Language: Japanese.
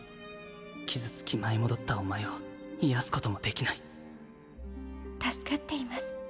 傷つき舞い戻ったお前を癒やすこともできない助かっています。